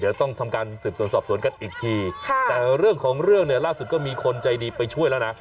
เดี๋ยวต้องทำการสืบสวนสอบสวนกันอีกทีแต่เรื่องของเรื่องเนี่ยล่าสุดก็มีคนใจดีไปช่วยแล้วนะ